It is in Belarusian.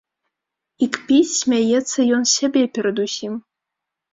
І кпіць, смяецца ён з сябе перадусім.